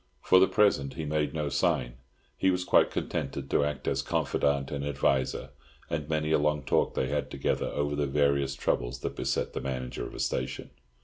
For the present he made no sign; he was quite contented to act as confidant and adviser, and many a long talk they had together over the various troubles that beset the manager of a station.